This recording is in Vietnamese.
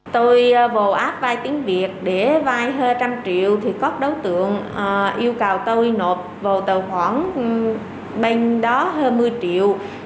tôi vô app vay tiếng việt để vay hơn một trăm linh triệu thì có đối tượng yêu cầu tôi nộp vào tờ khoản bên đó hơn một mươi triệu